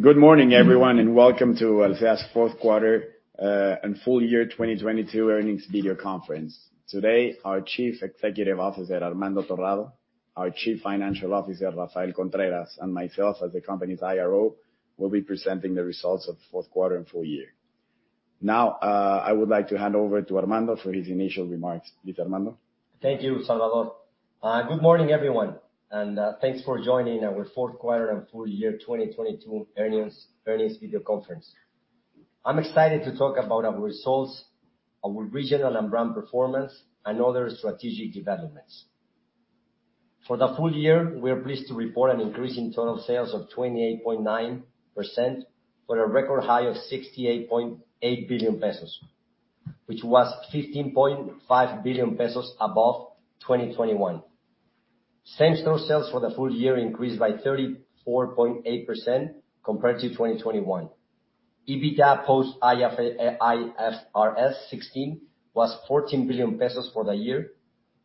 Good morning, everyone, and welcome to Alsea's fourth quarter, and full year 2022 earnings video conference. Today, our Chief Executive Officer, Armando Torrado, our Chief Financial Officer, Rafael Contreras, and myself as the company's IRO, will be presenting the results of the 4th quarter and full year. Now, I would like to hand over to Armando for his initial remarks. Please, Armando. Thank you, Salvador. Good morning, everyone, thanks for joining our 4th quarter and full year 2022 earnings video conference. I'm excited to talk about our results, our regional and brand performance, and other strategic developments. For the full year, we are pleased to report an increase in total sales of 28.9% for a record high of 68.8 billion pesos, which was 15.5 billion pesos above 2021. Same-store sales for the full year increased by 34.8% compared to 2021. EBITDA post IFRS 16 was 14 billion pesos for the year,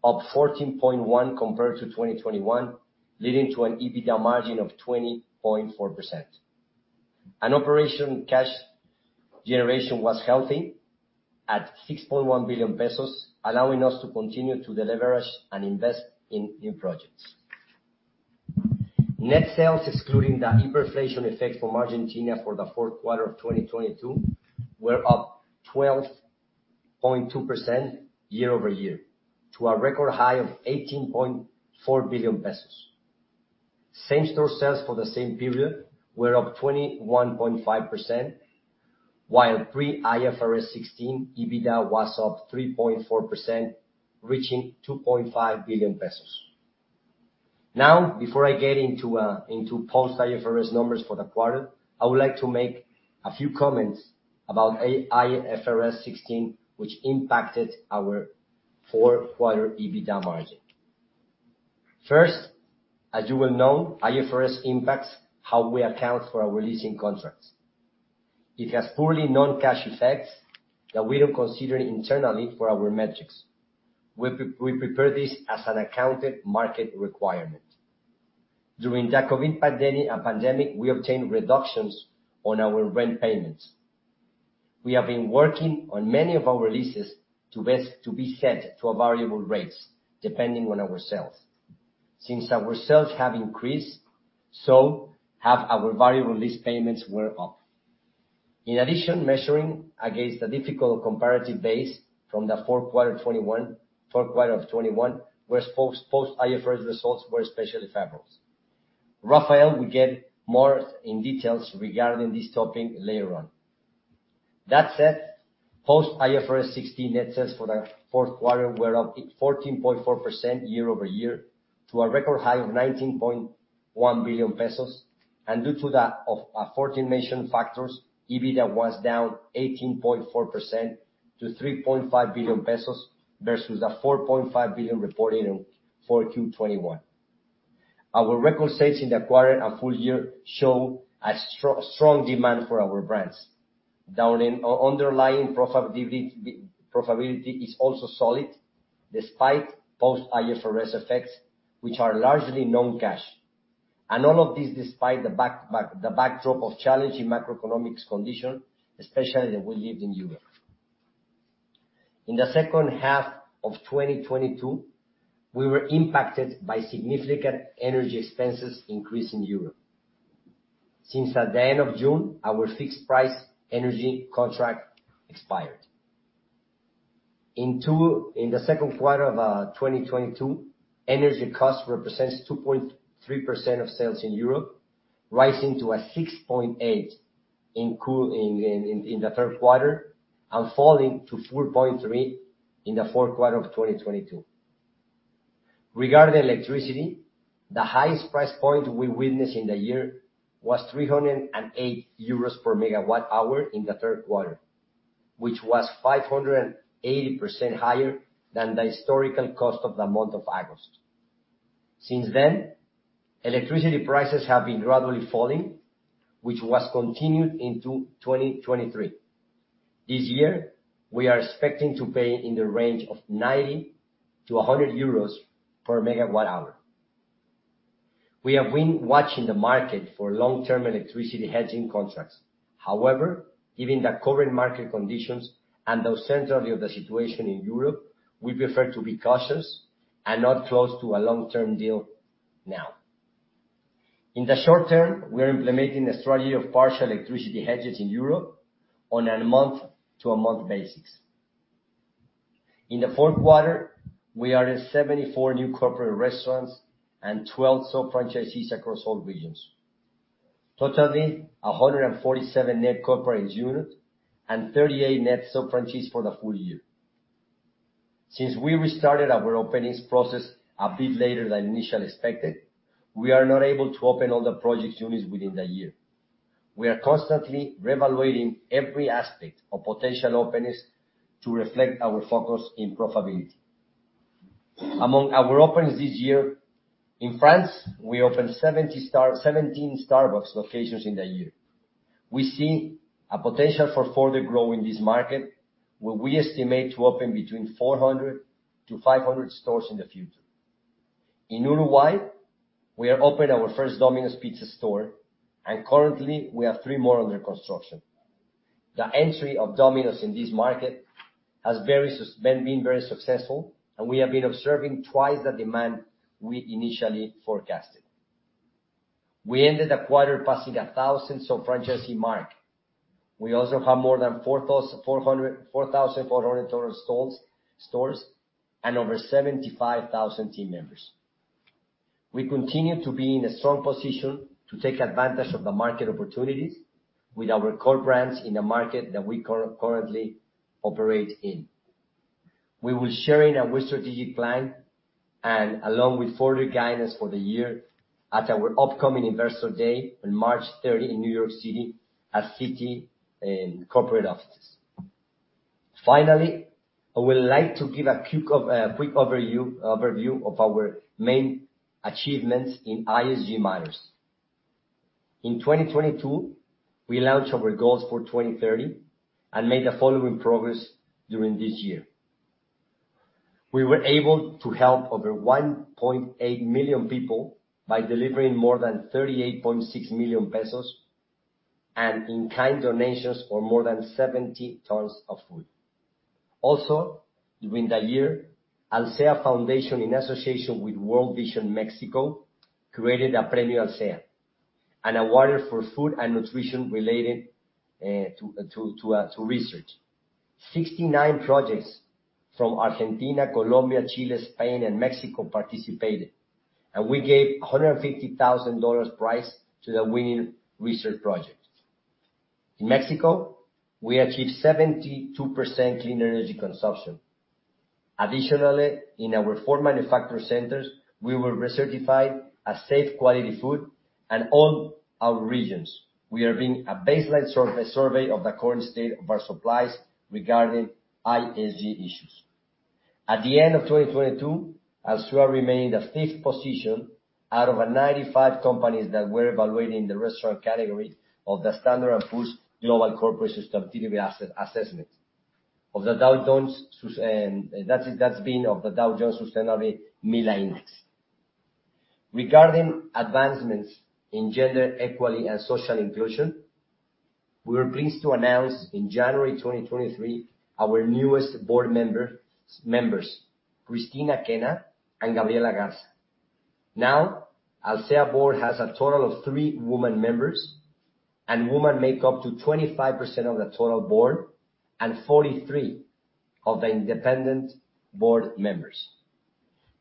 up 14.1% compared to 2021, leading to an EBITDA margin of 20.4%. Operation cash generation was healthy at 6.1 billion pesos, allowing us to continue to deleverage and invest in projects. Net sales, excluding the hyperinflation effect from Argentina for the 4th quarter of 2022, were up 12.2% year-over-year to a record high of 18.4 billion pesos. Same-store sales for the same period were up 21.5%, while pre-IFRS 16 EBITDA was up 3.4%, reaching 2.5 billion pesos. Before I get into post-IFRS numbers for the quarter, I would like to make a few comments about IFRS 16, which impacted our 4th quarter EBITDA margin. First, as you well know, IFRS impacts how we account for our leasing contracts. It has purely non-cash effects that we don't consider internally for our metrics. We prepare this as an accounted market requirement. During the COVID pandemic, we obtained reductions on our rent payments. We have been working on many of our leases to be set to variable rates, depending on our sales. Since our sales have increased, so have our variable lease payments were up. In addition, measuring against the difficult comparative base from the 4th quarter of 2021, where post-IFRS results were especially favorable. Rafael will get more in details regarding this topic later on. That said, post-IFRS 16 net sales for the 4th quarter were up 14.4% year-over-year to a record high of 19.1 billion pesos. Due to the aforementioned factors, EBITDA was down 18.4% to 3.5 billion pesos versus the 4.5 billion reported in 4Q 2021. Our record sales in the quarter and full year show a strong demand for our brands. Down in underlying profitability is also solid despite post-IFRS effects, which are largely non-cash. All of this despite the backdrop of challenging macroeconomics condition, especially that we lived in Europe. In the 2nd half of 2022, we were impacted by significant energy expenses increase in Europe. Since at the end of June, our fixed price energy contract expired. In the 2nd quarter of 2022, energy cost represents 2.3% of sales in Europe, rising to 6.8% in the 3rd quarter and falling to 4.3% in the 4th quarter of 2022. Regarding electricity, the highest price point we witnessed in the year was 308 euros per MWh in the 3rd quarter, which was 580% higher than the historical cost of the month of August. Since then, electricity prices have been gradually falling, which was continued into 2023. This year, we are expecting to pay in the range of 90 to 100 per MWh. We have been watching the market for long-term electricity hedging contracts. Given the current market conditions and the uncertainty of the situation in Europe, we prefer to be cautious and not close to a long-term deal now. In the short term, we are implementing a strategy of partial electricity hedges in Europe on a month-to-month basis. In the 4th quarter, we added 74 new corporate restaurants and 12 sub-franchisees across all regions. Totally 147 net corporate units and 38 net sub-franchisees for the full year. Since we restarted our openings process a bit later than initially expected, we are not able to open all the projects units within the year. We are constantly reevaluating every aspect of potential openings to reflect our focus in profitability. Among our openings this year, in France, we opened 17 Starbucks locations in the year. We see a potential for further growth in this market, where we estimate to open between 400 to 500 stores in the future. In Uruguay, we have opened our first Domino's Pizza store, currently we have three more under construction. The entry of Domino's in this market has been very successful, we have been observing twice the demand we initially forecasted. We ended the quarter passing a 1,000 franchisee mark. We also have more than 4,400 total stores, over 75,000 team members. We continue to be in a strong position to take advantage of the market opportunities with our core brands in the market that we currently operate in. We will sharing our strategic plan and along with further guidance for the year at our upcoming Investor Day on March 30th in New York City at Citi corporate offices. Finally, I would like to give a quick overview of our main achievements in ESG Matters. In 2022, we launched our goals for 2030, and made the following progress during this year. We were able to help over 1.8 million people by delivering more than 38.6 million pesos, and in kind donations of more than 70 tons of food. During the year, Alsea Foundation, in association with World Vision Mexico, created a Premio Alsea and awarded for food and nutrition related to research. 69 projects from Argentina, Colombia, Chile, Spain, and Mexico participated. We gave a $150,000 prize to the winning research project. In Mexico, we achieved 72% clean energy consumption. In our four manufacturer centers, we were recertified a Safe Quality Food. In all our regions, we are doing a baseline survey of the current state of our supplies regarding ESG issues. At the end of 2022, Alsea remained the fifth position out of 95 companies that were evaluated in the restaurant category of the S&P Global Corporate Sustainability Assessment of the Dow Jones Sustainability Index. Regarding advancements in gender equality and social inclusion, we were pleased to announce in January 2023, our newest board members, Christine Kenna and Gabriela Garza. Alsea Board has a total of three woman members, and woman make up to 25% of the total Board and 43 of the independent Board members.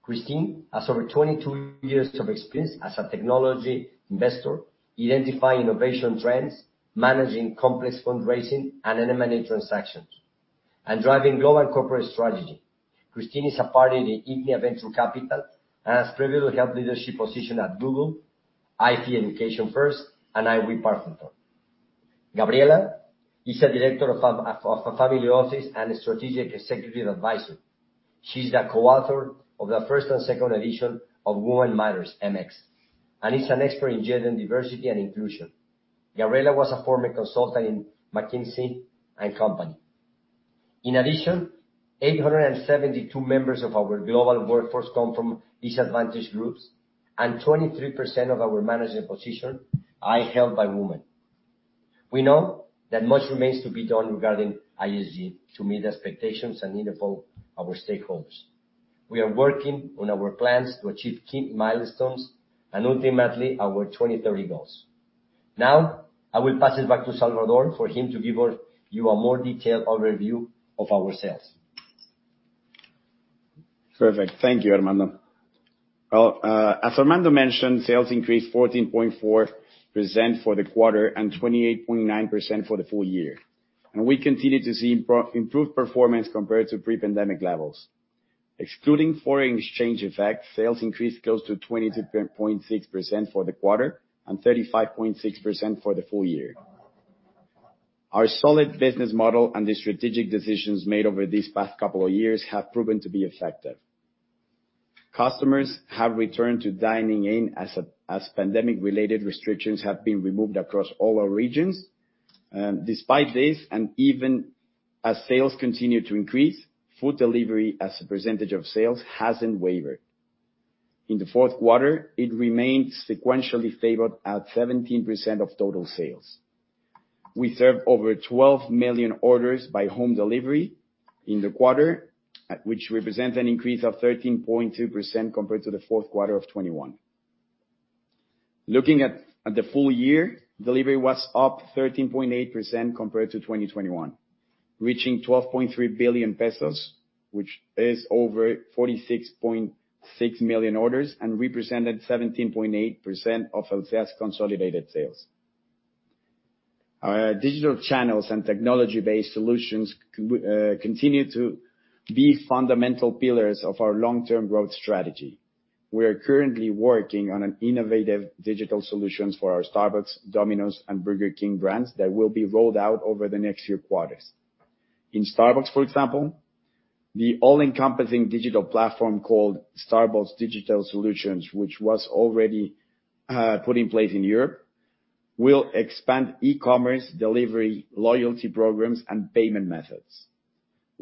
Christine Kenna has over 22 years of experience as a technology investor, identifying innovation trends, managing complex fundraising and M&A transactions, and driving global corporate strategy. Christine Kenna is a partner in IGNIA Venture Capital, and has previous held leadership position at Google, EF Education First, and iRobot. Gabriela Garza is a director of a family office and a strategic executive advisor. She's the co-author of the first and second edition of Women Matter MX, and is an expert in gender diversity and inclusion. Gabriela Garza was a former consultant in McKinsey & Company. In addition, 872 members of our global workforce come from disadvantaged groups, 23% of our management position are held by women. We know that much remains to be done regarding ESG to meet expectations and need of all our stakeholders. We are working on our plans to achieve key milestones and ultimately our 2030 goals. I will pass it back to Salvador for him to give you a more detailed overview of our sales. Perfect. Thank you, Armando. Well, as Armando mentioned, sales increased 14.4% for the quarter and 28.9% for the full year. We continue to see improved performance compared to pre-pandemic levels. Excluding foreign exchange effects, sales increased close to 22.6% for the quarter and 35.6% for the full year. Our solid business model and the strategic decisions made over these past couple of years have proven to be effective. Customers have returned to dining in as pandemic related restrictions have been removed across all our regions. Despite this, and even as sales continue to increase, food delivery as a percentage of sales hasn't wavered. In the 4th quarter, it remained sequentially favored at 17% of total sales. We served over 12 million orders by home delivery in the quarter, which represent an increase of 13.2% compared to the 4th quarter of 2021. Looking at the full year, delivery was up 13.8% compared to 2021, reaching 12.3 billion pesos, which is over 46.6 million orders, and represented 17.8% of Alsea's consolidated sales. Our digital channels and technology-based solutions continue to be fundamental pillars of our long-term growth strategy. We are currently working on an innovative digital solutions for our Starbucks, Domino's, and Burger King brands that will be rolled out over the next few quarters. In Starbucks, for example, the all-encompassing digital platform called Starbucks Digital Solutions, which was already put in place in Europe. We'll expand e-commerce, delivery, loyalty programs, and payment methods.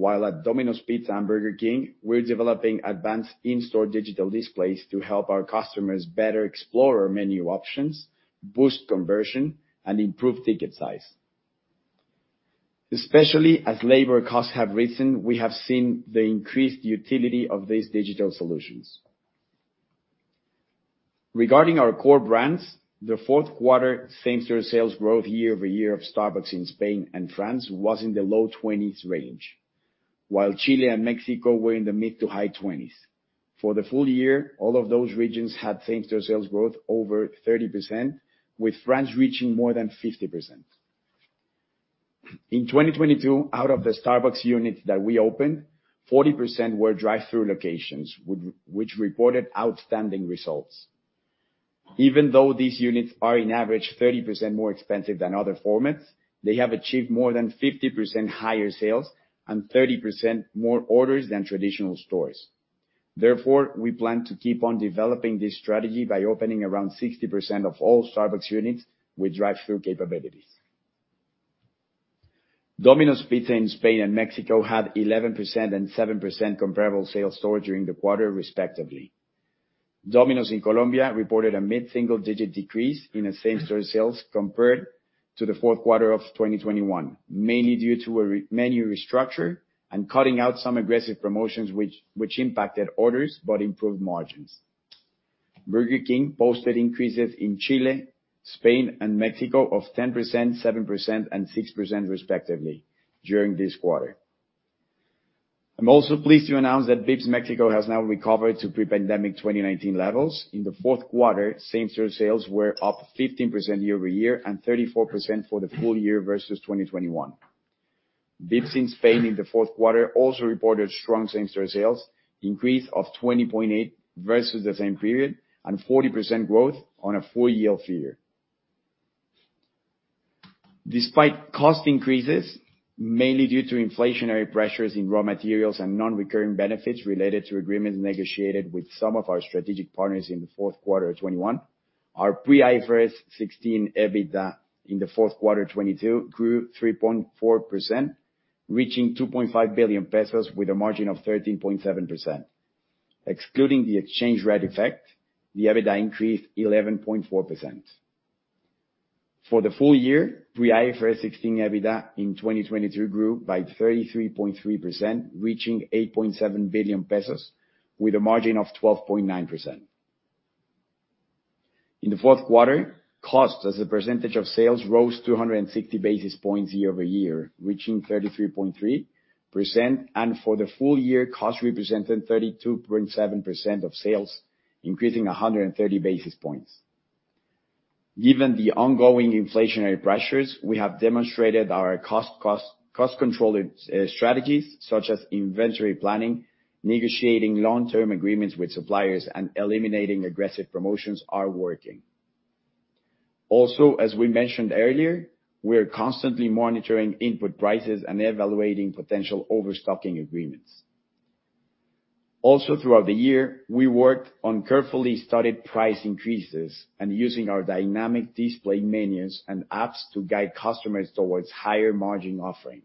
At Domino's Pizza and Burger King, we're developing advanced in-store digital displays to help our customers better explore our menu options, boost conversion, and improve ticket size. Especially as labor costs have risen, we have seen the increased utility of these digital solutions. Regarding our core brands, the 4th quarter same store sales growth year-over-year of Starbucks in Spain and France was in the low 20s range. Chile and Mexico were in the mid to high 20s. For the full year, all of those regions had same store sales growth over 30%, with France reaching more than 50%. In 2022, out of the Starbucks units that we opened, 40% were drive-thru locations which reported outstanding results. Even though these units are on average 30% more expensive than other formats, they have achieved more than 50% higher sales and 30% more orders than traditional stores. We plan to keep on developing this strategy by opening around 60% of all Starbucks units with drive-thru capabilities. Domino's Pizza in Spain and Mexico had 11% and 7% comparable sales storage during the quarter, respectively. Domino's in Colombia reported a mid-single digit decrease in its same store sales compared to the 4th quarter of 2021, mainly due to a re-menu restructure and cutting out some aggressive promotions which impacted orders but improved margins. Burger King posted increases in Chile, Spain, and Mexico of 10%, 7%, and 6% respectively during this quarter. I'm also pleased to announce that VIPS Mexico has now recovered to pre-pandemic 2019 levels. In the 4th quarter, same store sales were up 15% year-over-year and 34% for the full year versus 2021. VIPS in Spain in the 4th quarter also reported strong same store sales increase of 20.8% versus the same period, and 40% growth on a full year figure. Despite cost increases, mainly due to inflationary pressures in raw materials and non-recurring benefits related to agreements negotiated with some of our strategic partners in the 4th quarter of 2021, our pre-IFRS 16 EBITDA in the 4th quarter 2022 grew 3.4%, reaching 2.5 billion pesos with a margin of 13.7%. Excluding the exchange rate effect, the EBITDA increased 11.4%. For the full year, pre-IFRS 16 EBITDA in 2023 grew by 33.3%, reaching 8.7 billion pesos with a margin of 12.9%. In the 4th quarter, cost as a percentage of sales rose 260 basis points year-over-year, reaching 33.3%. For the full year, cost represented 32.7% of sales, increasing 130 basis points. Given the ongoing inflationary pressures, we have demonstrated our cost control strategies such as inventory planning, negotiating long-term agreements with suppliers, and eliminating aggressive promotions are working. As we mentioned earlier, we're constantly monitoring input prices and evaluating potential overstocking agreements. Throughout the year, we worked on carefully studied price increases and using our dynamic display menus and apps to guide customers towards higher margin offerings.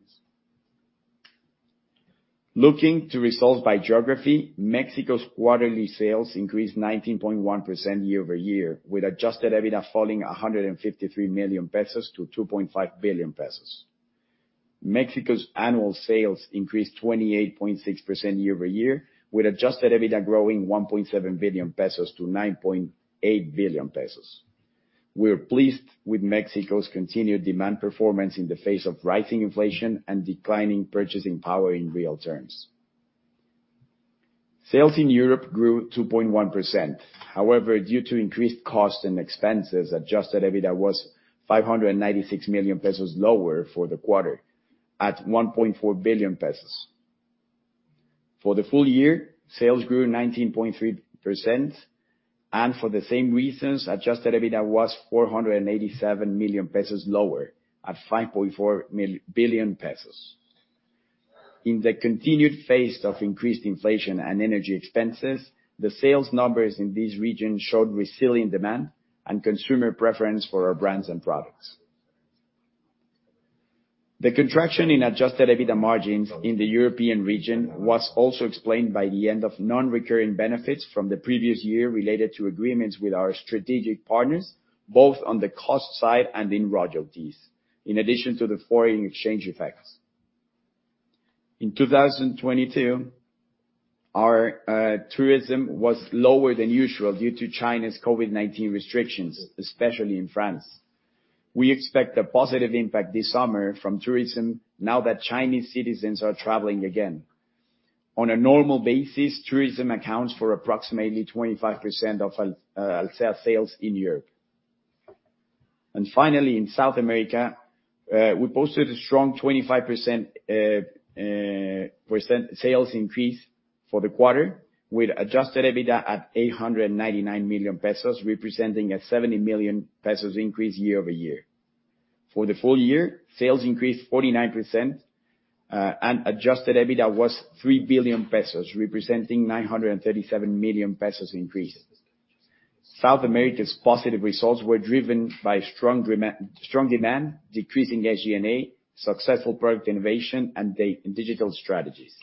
Looking to results by geography, Mexico's quarterly sales increased 19.1% year-over-year with adjusted EBITDA falling 153 million-2.5 billion pesos. Mexico's annual sales increased 28.6% year-over-year with adjusted EBITDA growing 1.7 billion pesos to 9.8 billion pesos. We're pleased with Mexico's continued demand performance in the face of rising inflation and declining purchasing power in real terms. Sales in Europe grew 2.1%. However, due to increased costs and expenses, adjusted EBITDA was 596 million pesos lower for the quarter at 1.4 billion pesos. For the full year, sales grew 19.3%, for the same reasons, adjusted EBITDA was 487 million pesos lower at 5.4 billion pesos. In the continued face of increased inflation and energy expenses, the sales numbers in this region showed resilient demand and consumer preference for our brands and products. The contraction in adjusted EBITDA margins in the European region was also explained by the end of non-recurring benefits from the previous year related to agreements with our strategic partners, both on the cost side and in royalties, in addition to the foreign exchange effects. In 2022, our tourism was lower than usual due to China's COVID-19 restrictions, especially in France. We expect a positive impact this summer from tourism now that Chinese citizens are traveling again. On a normal basis, tourism accounts for approximately 25% of Alsea sales in Europe. Finally, in South America, we posted a strong 25% sales increase for the quarter with adjusted EBITDA at 899 million pesos, representing a 70 million pesos increase year-over-year. For the full year, sales increased 49%, adjusted EBITDA was 3 billion pesos, representing 937 million pesos increase. South America's positive results were driven by strong demand, decreasing SG&A, successful product innovation, and digital strategies.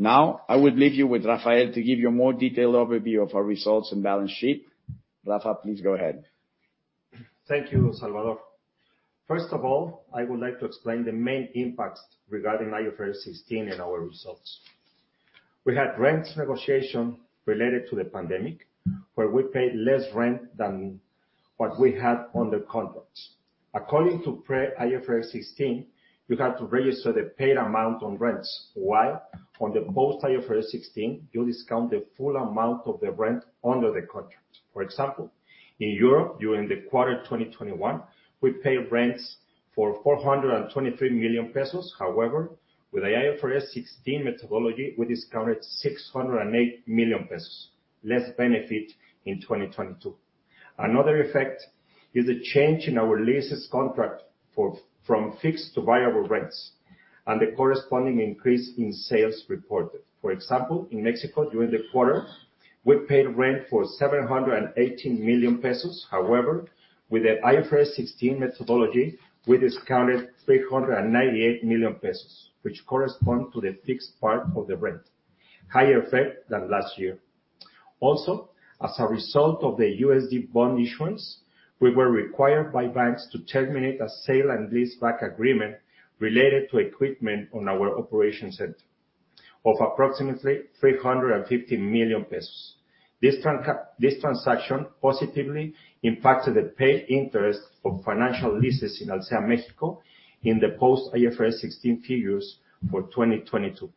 I will leave you with Rafael to give you a more detailed overview of our results and balance sheet. Rafa, please go ahead. Thank you, Salvador. First of all, I would like to explain the main impacts regarding IFRS 16 and our results. We had rents negotiation related to the pandemic, where we paid less rent than what we had on the contracts. According to pre IFRS 16, you have to register the paid amount on rents, while on the post IFRS 16, you discount the full amount of the rent under the contract. For example, in Europe, during the quarter 2021, we paid rents for 423 million pesos. With the IFRS 16 methodology, we discounted 608 million pesos. Less benefit in 2022. Another effect is a change in our leases contract from fixed to variable rents and the corresponding increase in sales reported. For example, in Mexico, during the quarter, we paid rent for 718 million pesos. With the IFRS 16 methodology, we discounted 398 million pesos, which correspond to the fixed part of the rent. Higher effect than last year. As a result of the USD bond issuance, we were required by banks to terminate a sale and leaseback agreement related to equipment on our operation center of approximately MXN 350 million. This transaction positively impacted the paid interest of financial leases in Alsea Mexico in the post IFRS 16 figures for 2022.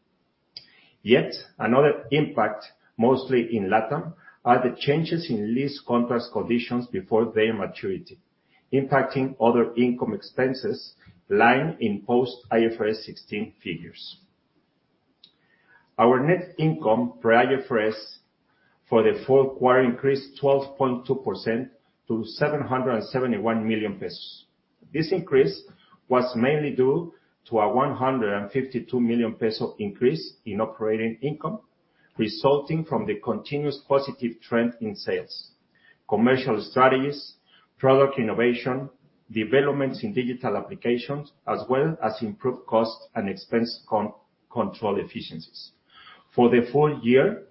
Yet another impact, mostly in LatAm, are the changes in lease contrast conditions before their maturity, impacting other income expenses lying in post IFRS 16 figures. Our net income pre IFRS for the full quarter increased 12.2% to 771 million pesos. This increase was mainly due to a 152 million peso increase in operating income resulting from the continuous positive trend in sales, commercial strategies, product innovation, developments in digital applications, as well as improved cost and expense control efficiencies. For the full year,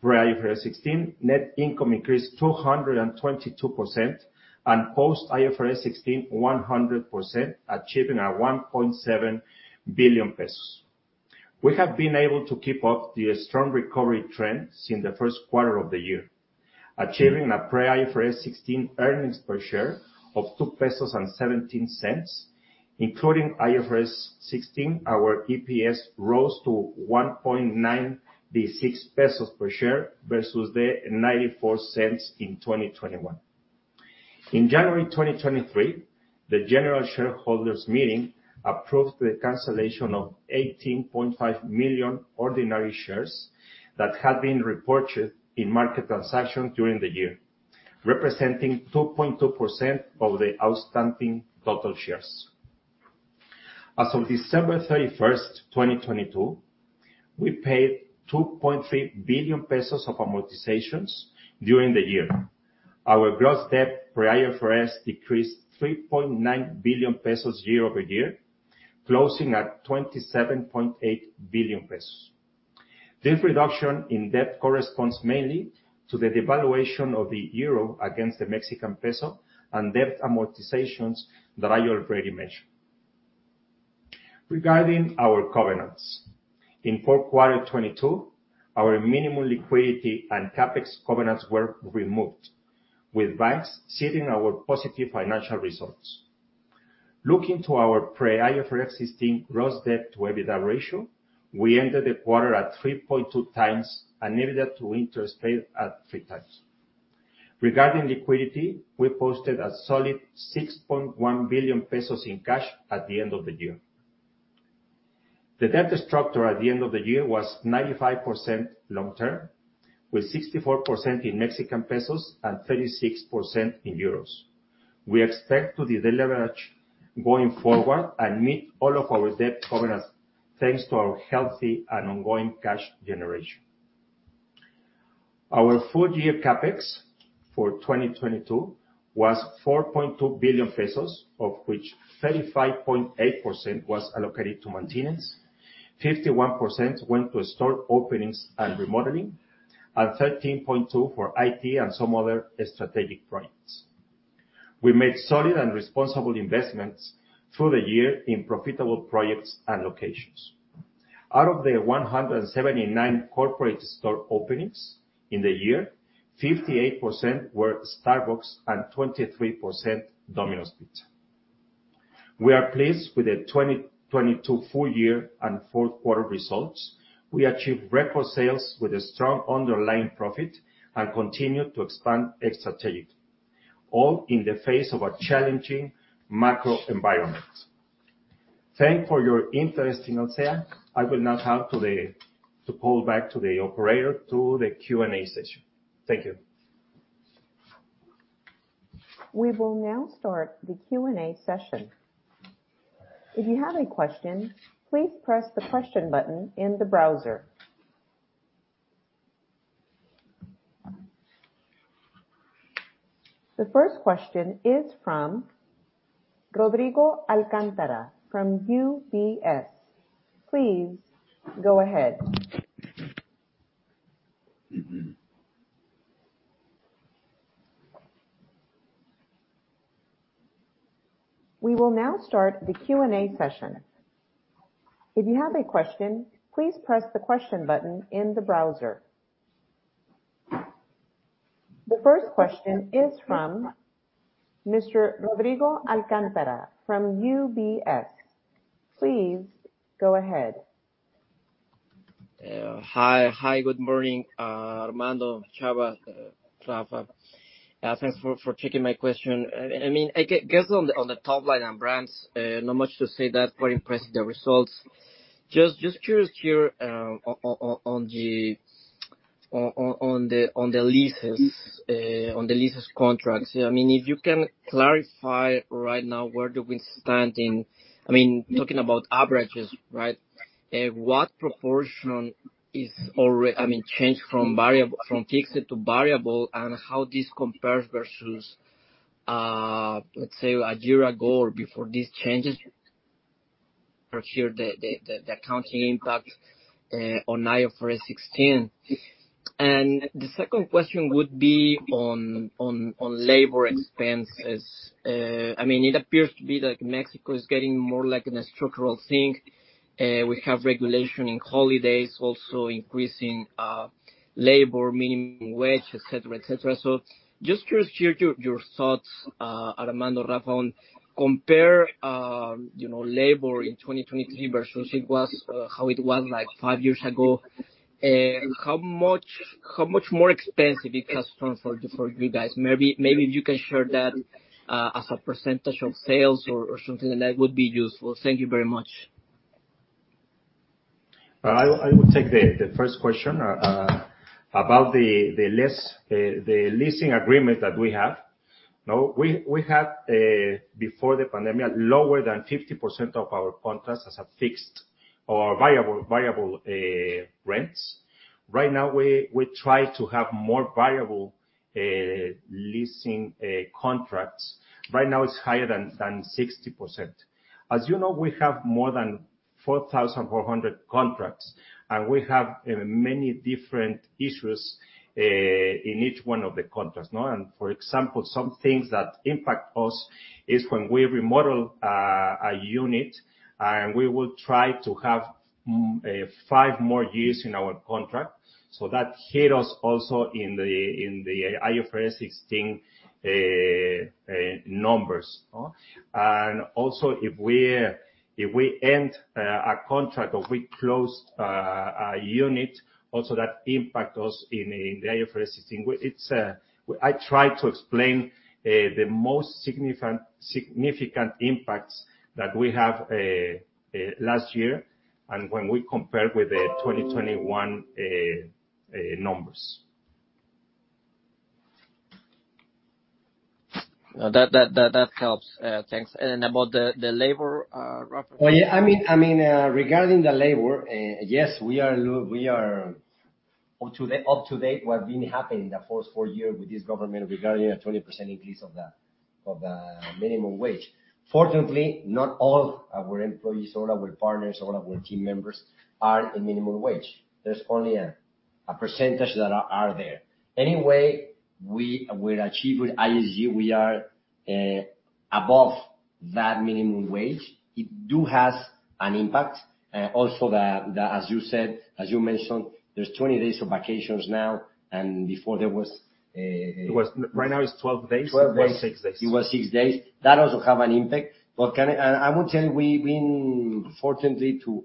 pre IFRS 16 net income increased 222% and post IFRS 16 100% achieving a 1.7 billion pesos. We have been able to keep up the strong recovery trends in the 1st quarter of the year, achieving a pre IFRS 16 earnings per share of 2.17 pesos, including IFRS 16 our EPS rose to 1.96 pesos per share versus the 0.94 in 2021. In January 2023, the general shareholders meeting approved the cancellation of 18.5 million ordinary shares that had been repurchased in market transaction during the year, representing 2.2% of the outstanding total shares. As of December 31st, 2022, we paid 2.3 billion pesos of amortizations during the year. Our gross debt pre IFRS decreased 3.9 billion pesos year-over-year, closing at 27.8 billion pesos. This reduction in debt corresponds mainly to the devaluation of the euro against the Mexican peso and debt amortizations that I already mentioned. Regarding our covenants, in 4th quarter 2022, our minimum liquidity and CapEx covenants were removed, with banks seeing our positive financial results. Looking to our pre IFRS 16 gross debt to EBITDA ratio, we ended the quarter at 3.2x and EBITDA to interest paid at 3x. Regarding liquidity, we posted a solid 6.1 billion pesos in cash at the end of the year. The debt structure at the end of the year was 95% long-term, with 64% in Mexican pesos and 36% in euros. We expect to deleverage going forward and meet all of our debt covenants thanks to our healthy and ongoing cash generation. Our full year CapEx for 2022 was 4.2 billion pesos, of which 35.8% was allocated to maintenance, 51% went to store openings and remodeling, and 13.2% for IT and some other strategic projects. We made solid and responsible investments through the year in profitable projects and locations. Out of the 179 corporate store openings in the year, 58% were Starbucks and 23% Domino's Pizza. We are pleased with the 2022 full year and 4th quarter results. We achieved record sales with a strong underlying profit and continued to expand strategically, all in the face of a challenging macro environment. Thank for your interest in Alsea. I will now hand to call back to the operator to the Q&A session. Thank you. We will now start the Q&A session. If you have a question, please press the question button in the browser. The first question is from Rodrigo Alcántara from UBS. Please go ahead. Hi. Hi. Good morning, Armando, Salva, Rafa. Thanks for taking my question. I mean, I guess on the top line and brands, not much to say that. Very impressive, the results. Just curious here, on the leases contracts. I mean, if you can clarify right now where do we stand in. I mean, talking about averages, right? What proportion is. I mean, change from fixed to variable, and how this compares versus, let's say a year ago or before these changes procure the accounting impact on IFRS 16. The second question would be on labor expenses. I mean, it appears to be that Mexico is getting more like in a structural thing. We have regulation in holidays, also increasing labor minimum wage, et cetera, et cetera. Just curious to hear your thoughts, Armando, Rafa, on compare, you know, labor in 2023 versus how it was like five years ago. How much more expensive it has turned for you guys? Maybe if you can share that as a percentage of sales or something like that would be useful. Thank you very much. I will take the first question. About the lease, the leasing agreement that we have. We had before the pandemic, lower than 50% of our contracts as a fixed or variable rents. Right now, we try to have more variable leasing contracts. Right now, it's higher than 60%. As you know, we have more than 4,400 contracts, and we have many different issues in each one of the contracts, no? For example, some things that impact us is when we remodel a unit, and we will try to have five more years in our contract. That hit us also in the IFRS 16 numbers. If we're, if we end a contract or we close a unit, also that impact us in the IFRS 16. I tried to explain the most significant impacts that we have last year and when we compare with the 2021 numbers. No, that helps. Thanks. About the labor, Rafa. Oh, yeah. I mean, regarding the labor, yes, we are up to date what been happening in the first four years with this government regarding a 20% increase of the minimum wage. Fortunately, not all our employees, all our partners, all our team members are in minimum wage. There's only a percentage that are there. Anyway, we, with Achievers ESG we are above that minimum wage. It do has an impact. Also the, as you said, as you mentioned, there's 20 days of vacations now, and before there was. Right now, it's 12 days. 12 days. It was six days. It was six days. That also have an impact. I would tell you, we've been fortunately to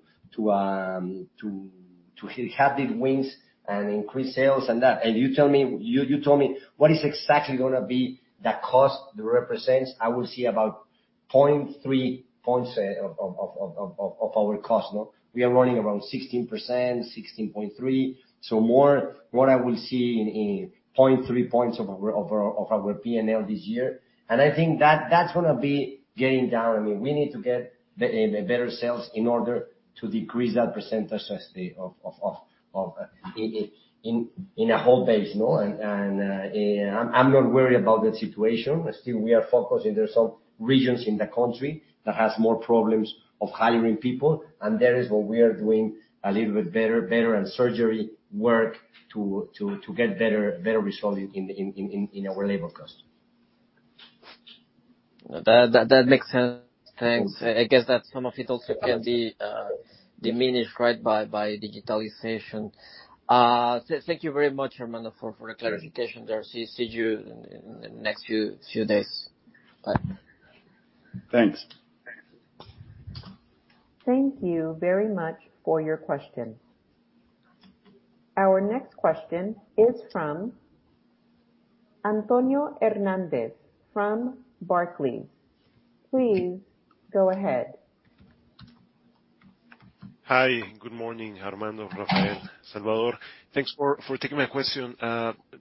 have these wins and increase sales and that. You told me what is exactly gonna be that cost that represents. I will see about 0.3 points of our cost, no? We are running around 16%, 16.3%. More I will see in 0.3 points of our P&L this year. I think that's gonna be getting down. I mean, we need to get better sales in order to decrease that percentage as the of a whole base, no? I'm not worried about that situation. Still we are focusing. There's some regions in the country that has more problems of hiring people, there is what we are doing a little bit better and surgery work to get better results in our labor cost. That makes sense. Thanks. I guess that some of it also can be diminished, right, by digitalization. Thank you very much, Armando, for the clarification there. See you in the next few days. Bye. Thanks. Thank you very much for your question. Our next question is from Antonio Hernandez from Barclays. Please go ahead. Hi, good morning, Armando, Rafael, Salvador. Thanks for taking my question.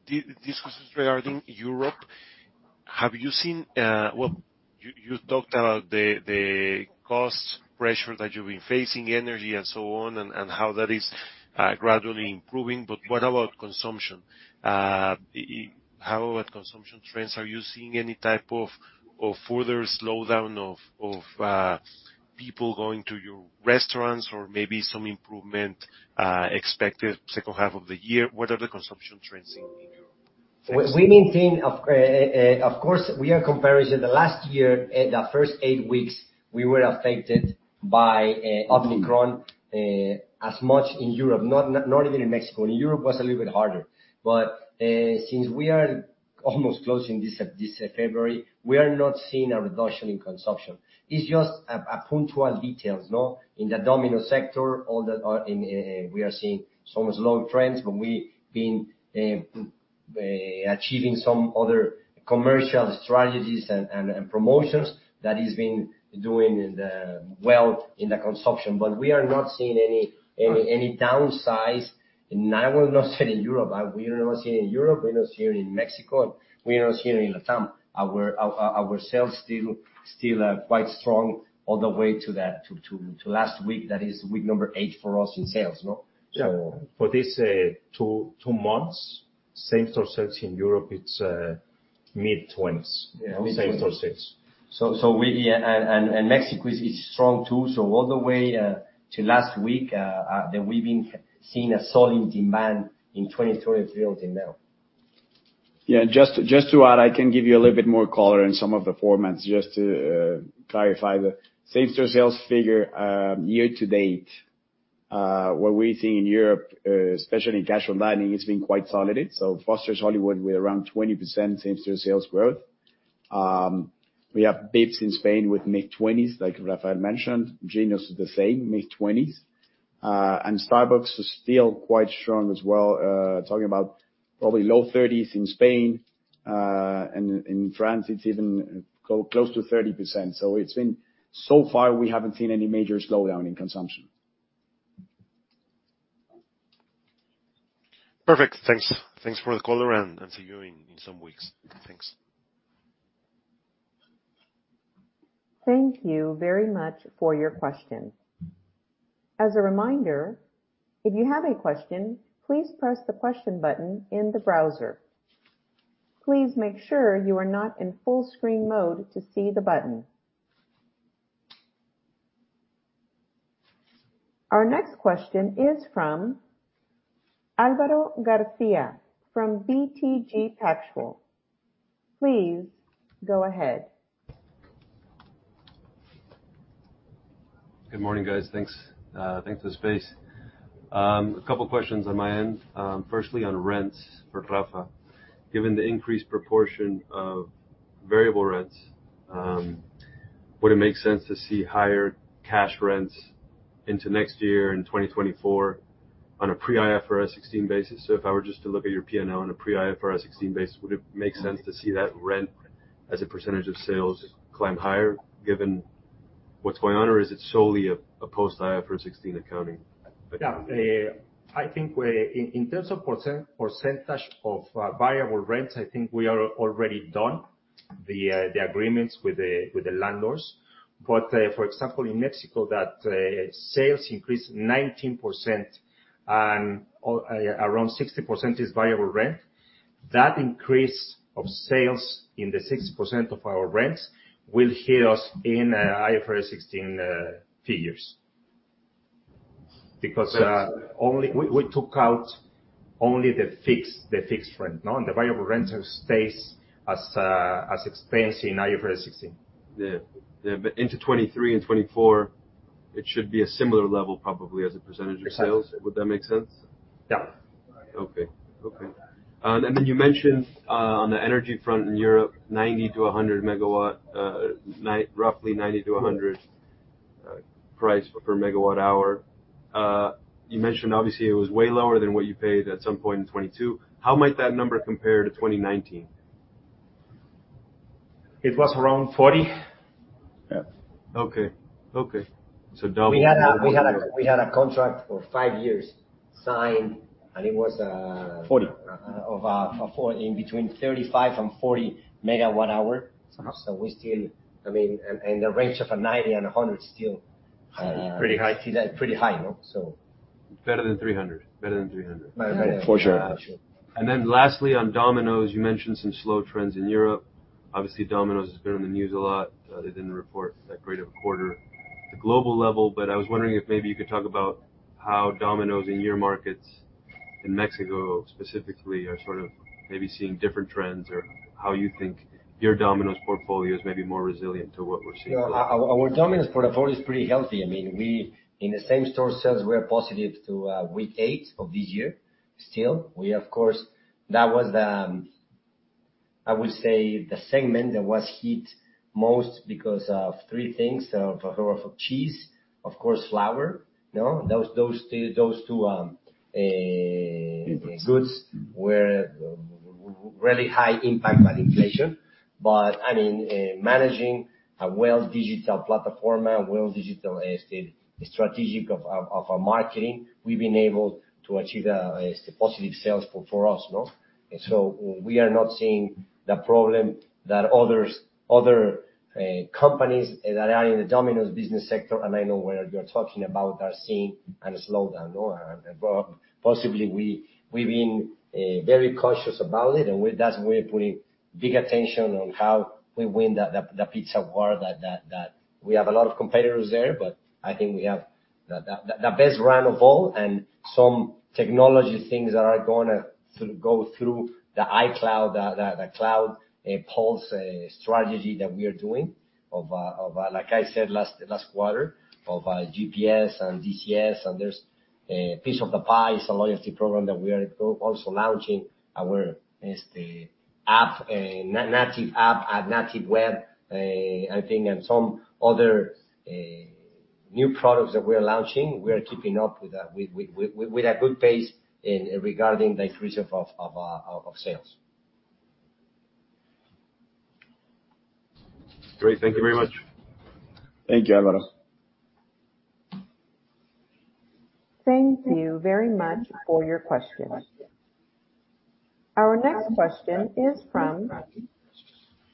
This is regarding Europe. Have you seen? Well, you talked about the cost pressure that you've been facing, energy and so on, and how that is gradually improving, but what about consumption? How are consumption trends? Are you seeing any type of further slowdown of people going to your restaurants or maybe some improvement expected 2nd half of the year? What are the consumption trends in Europe? Thanks. We maintain of course, we are comparison the last year, the first eight weeks, we were affected by Omicron as much in Europe, not even in Mexico. In Europe, it was a little bit harder. Since we are almost closing this February, we are not seeing a reduction in consumption. It's just a punctual details, no? In the Domino's sector, all the... We are seeing so much low trends, but we've been achieving some other commercial strategies and promotions that has been doing the well in the consumption. We are not seeing any downsize. I will not say in Europe. We are not seeing it in Europe, we're not seeing it in Mexico, we are not seeing it in LatAm. Our sales still are quite strong all the way to the last week. That is week number eight for us in sales, no? So. Yeah. For this two months, same store sales in Europe, it's mid-twenties. Yeah. Mid-twenties. Same store sales. Mexico is strong too. All the way, to last week, that we've been seeing a solid demand in 23 until now. Just to add, I can give you a little bit more color in some of the formats. Just to clarify the same store sales figure, year-to-date, what we're seeing in Europe, especially in casual dining, it's been quite solid. Foster's Hollywood with around 20% same store sales growth. We have VIPS in Spain with mid-twenties, like Rafael mentioned. Ginos is the same, mid-twenties. Starbucks is still quite strong as well. Talking about probably low thirties in Spain. In France it's even close to 30%. Far we haven't seen any major slowdown in consumption. Perfect. Thanks. Thanks for the color and see you in some weeks. Thanks. Thank you very much for your question. As a reminder, if you have a question, please press the question button in the browser. Please make sure you are not in full screen mode to see the button. Our next question is from Alvaro Garcia from BTG Pactual. Please go ahead. Good morning, guys. Thanks. Thanks for the space. A couple questions on my end. Firstly, on rents for Rafa. Given the increased proportion of variable rents, would it make sense to see higher cash rents into next year in 2024 on a pre-IFRS 16 basis? If I were just to look at your P&L on a pre-IFRS 16 basis, would it make sense to see that rent as a percentage of sales climb higher given what's going on? Is it solely a post-IFRS 16 accounting effect? Yeah. I think we're in terms of percentage of variable rents, I think we are already done the agreements with the landlords. For example, in Mexico that sales increased 19% and around 60% is variable rent. That increase of sales in the 60% of our rents will hit us in IFRS 16 figures. Because. That's- We took out only the fixed rent, no? The variable rental stays as expense in IFRS 16. Yeah. Yeah. Into 2023 and 2024, it should be a similar level probably as a % of sales. Exactly. Would that make sense? Yeah. Okay. Okay. You mentioned, on the energy front in Europe, 90-100 MW, roughly EUR 90-100 per MWh. You mentioned obviously it was way lower than what you paid at some point in 2022. How might that number compare to 2019? It was around 40. Yeah. Okay. We had a contract for five years signed, and it was. Forty. 40. In between 35 and 40 MWh. Uh-huh. We still... I mean, and the range of a 90 and a 100 is still... Pretty high. Pretty high, no? Better than 300. Better than 300. Better. For sure. Lastly, on Domino's, you mentioned some slow trends in Europe. Obviously, Domino's has been in the news a lot. They didn't report that great of a quarter at the global level, I was wondering if maybe you could talk about how Domino's in your markets, in Mexico specifically, are sort of maybe seeing different trends or how you think your Domino's portfolio is maybe more resilient to what we're seeing globally. Our Domino's portfolio is pretty healthy. I mean, we, in the same store sales, we are positive to week eight of this year still. That was the segment that was hit most because of three things, for her of cheese, of course, flour. No? Those two goods were really high impact by the inflation. I mean, managing a well digital platform and well digitalized strategic of our marketing, we've been able to achieve a positive sales for us, no. We are not seeing the problem that other companies that are in the Domino's business sector, and I know where you're talking about, are seeing and slowdown, no. Possibly we've been very cautious about it, thus we're putting big attention on how we win the pizza war that we have a lot of competitors there, I think we have the best round of all and some technology things that are gonna go through the Cloud POS strategy that we are doing of like I said last quarter of GPS and DCS, there's Piece of the Pie. It's a loyalty program that we are also launching our, as the app, native app and native web. I think some other new products that we are launching, we are keeping up with that with a good pace in regarding the increase of sales. Great. Thank you very much. Thank you, Alvaro. Thank you very much for your question. Our next question is from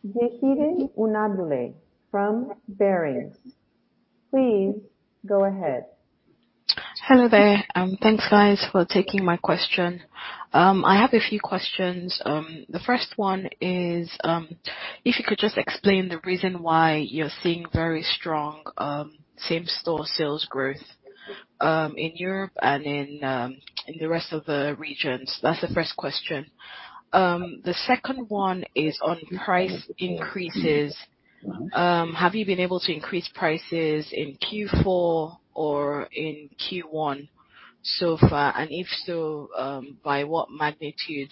Yahirin Unabule from Barings. Please go ahead. Hello there. Thanks, guys for taking my question. I have a few questions. The first one is, if you could just explain the reason why you're seeing very strong same store sales growth in Europe and in the rest of the regions. That's the first question. The second one is on price increases. Have you been able to increase prices in Q4 or in Q1 so far, and if so, by what magnitude?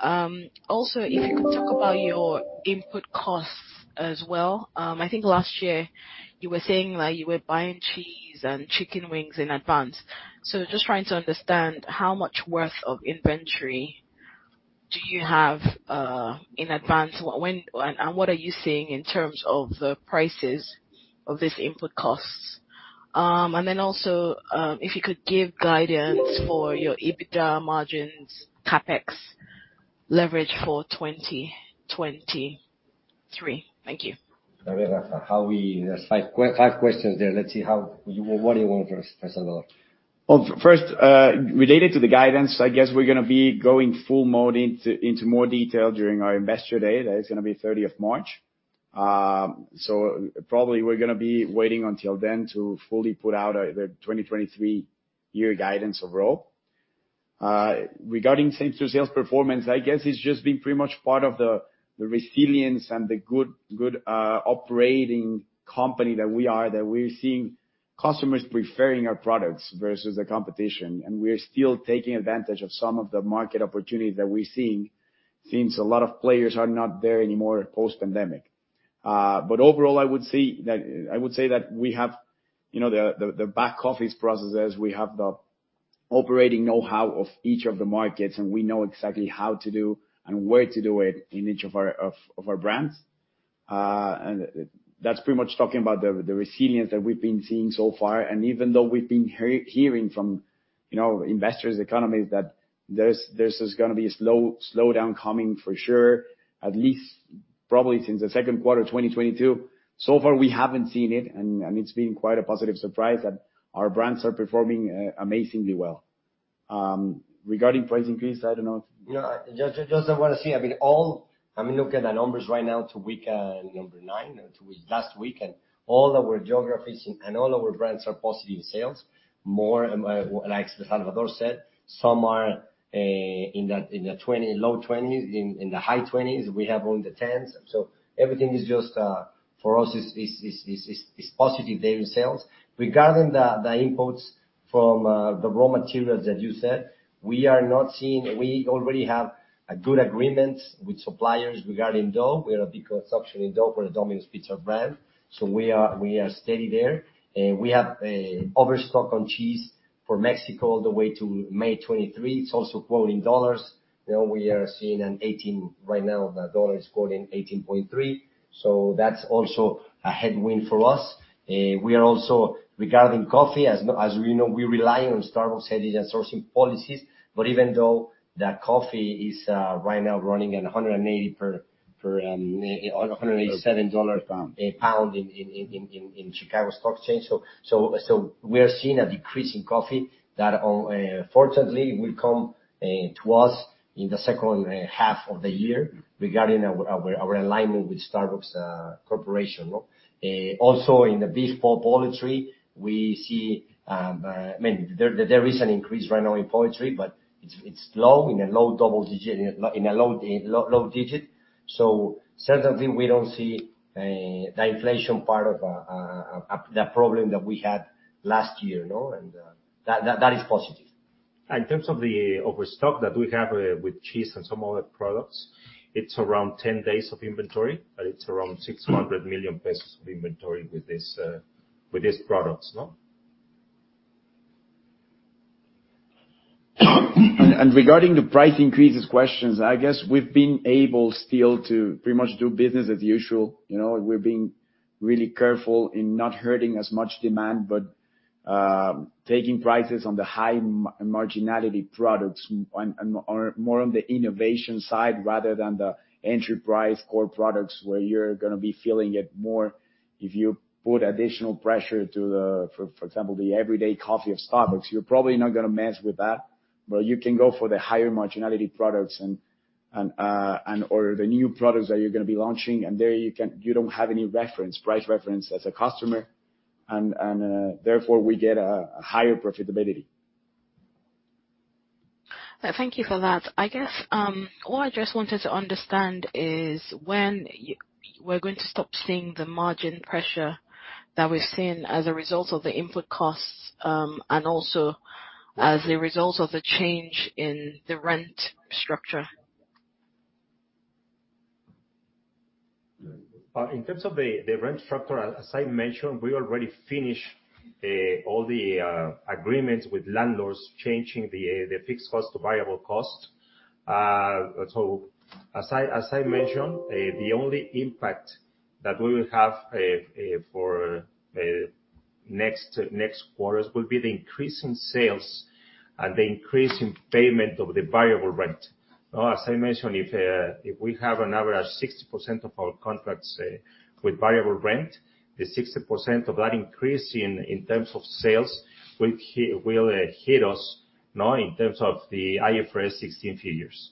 Also, if you could talk about your input costs as well. I think last year you were saying that you were buying cheese and chicken wings in advance. Just trying to understand how much worth of inventory do you have in advance, and what are you seeing in terms of the prices of this input costs? If you could give guidance for your EBITDA margins, CapEx leverage for 2023. Thank you. There's five questions there. Let's see how... What do you want first, Salvador? Well, first, related to the guidance, I guess we're gonna be going full mode into more detail during our investor day. That is gonna be 30th of March. So probably we're gonna be waiting until then to fully put out our, the 2023 year guidance overall. Regarding same store sales performance, I guess it's just been pretty much part of the resilience and the good operating company that we are, that we're seeing customers preferring our products versus the competition, and we are still taking advantage of some of the market opportunities that we're seeing since a lot of players are not there anymore post-pandemic. Overall, I would say that we have, you know, the back office processes, we have the operating know-how of each of the markets, and we know exactly how to do and where to do it in each of our brands. That's pretty much talking about the resilience that we've been seeing so far. Even though we've been hearing from, you know, investors, economists, that there's just gonna be a slowdown coming for sure, at least probably since the 2nd quarter of 2022, so far we haven't seen it, and it's been quite a positive surprise that our brands are performing amazingly well. Regarding price increase, I don't know. No. Just I wanna say, I mean, all. I mean, look at the numbers right now to week, number 9 to last week, all our geographies and all our brands are positive sales. More, like Salvador said, some are in the 20, low 20s, in the high 20s. We have one in the 10s. Everything is just for us is positive there in sales. Regarding the inputs from the raw materials that you said, we are not seeing. We already have a good agreement with suppliers regarding dough. We have a big consumption in dough for the Domino's Pizza brand. We are steady there. We have overstock on cheese for Mexico all the way to May 2023. It's also quoting dollars. You know, we are seeing. Right now the dollar is quoting $18.3. That's also a headwind for us. We are also, regarding coffee, as we know, we rely on Starbucks' hedging and sourcing policies, but even though the coffee is right now running at $187. Per pound. A pound in Chicago Mercantile Exchange. We are seeing a decrease in coffee that fortunately will come to us in the 2nd half of the year regarding our alignment with Starbucks Corporation. Also in the beef, pork, poultry, we see, I mean, there is an increase right now in poultry, but it's low, in the low double digit, in a low digit. Certainly we don't see the inflation part of the problem that we had last year, you know, that is positive. In terms of the overstock that we have, with cheese and some other products, it's around 10 days of inventory, but it's around 600 million pesos of inventory with this, with these products, no? Regarding the price increases questions, I guess we've been able still to pretty much do business as usual. You know, we're being really careful in not hurting as much demand, but taking prices on the high marginality products on more on the innovation side rather than the enterprise core products where you're gonna be feeling it more if you put additional pressure to for example, the everyday coffee of Starbucks, you're probably not gonna mess with that. You can go for the higher marginality products and and/or the new products that you're gonna be launching, and there you don't have any reference, price reference as a customer and therefore we get a higher profitability. Thank you for that. I guess, all I just wanted to understand is when we're going to stop seeing the margin pressure that we're seeing as a result of the input costs, and also as a result of the change in the rent structure. In terms of the rent structure, as I mentioned, we already finished all the agreements with landlords changing the fixed cost to variable cost. As I mentioned, the only impact that we will have for next quarters will be the increase in sales and the increase in payment of the variable rent. As I mentioned, if we have an average 60% of our contracts with variable rent, the 60% of that increase in terms of sales will hit us, no, in terms of the IFRS 16 figures.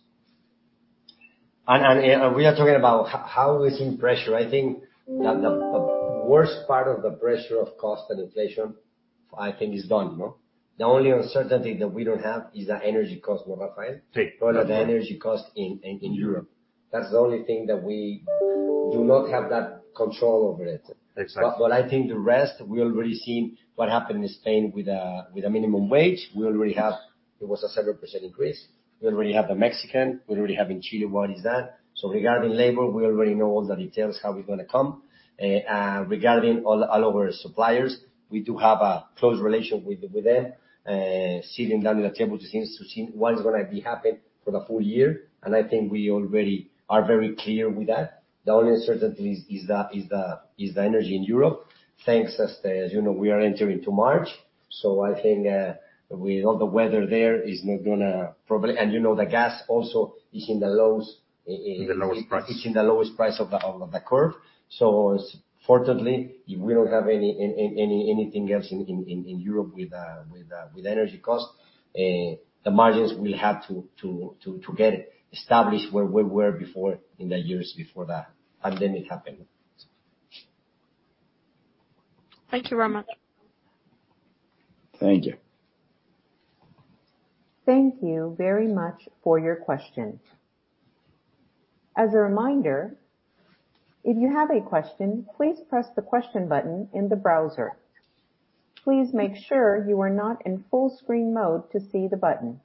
We are talking about how we're seeing pressure. I think the worst part of the pressure of cost and inflation, I think is done, no? The only uncertainty that we don't have is the energy cost, no, Rafael? Si. The energy cost in Europe. That's the only thing that we do not have that control over it. Exactly. I think the rest, we already seen what happened in Spain with a minimum wage. It was a 7% increase. We already have the Mexican. We already have in Chile what is that. Regarding labor, we already know all the details, how it's gonna come. Regarding all of our suppliers, we do have a close relationship with them. Sitting down at the table to see what is gonna be happen for the full year, I think we already are very clear with that. The only uncertainty is the energy in Europe. As you know, we are entering to March, I think with all the weather there, it's not gonna probably. You know, the gas also is in the lows. The lowest price. It's in the lowest price of the curve. Fortunately, if we don't have anything else in Europe with energy costs, the margins will have to get established where we were before in the years before the pandemic happened. Thank you very much. Thank you. Thank you very much for your questions. As a reminder, if you have a question, please press the question button in the browser. Please make sure you are not in full screen mode to see the button.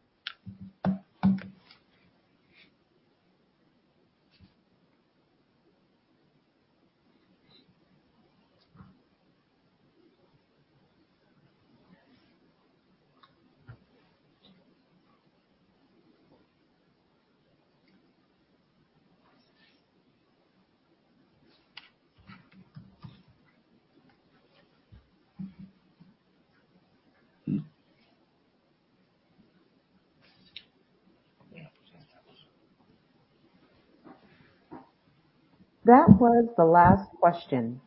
That was the last question.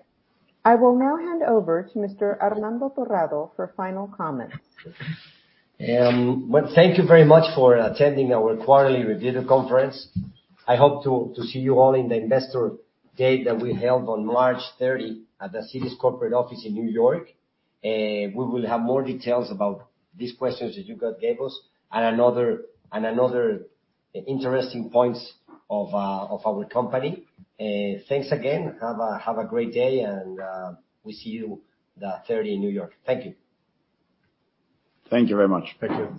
I will now hand over to Mr. Armando Torrado for final comments. Well, thank you very much for attending our quarterly review conference. I hope to see you all in the investor date that we held on March 30th at the company's corporate office in New York. We will have more details about these questions that you gave us and another interesting points of our company. Thanks again. Have a great day and we'll see you the 30th in New York. Thank you. Thank you very much. Thank you.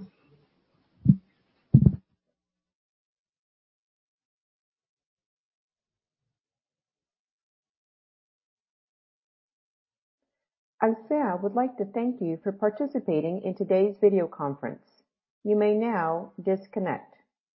I would like to thank you for participating in today's video conference. You may now disconnect.